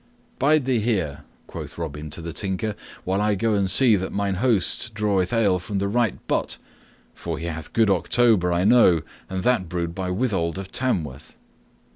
"Bide thou here," quoth Robin to the Tinker, "while I go and see that mine host draweth ale from the right butt, for he hath good October, I know, and that brewed by Withold of Tamworth."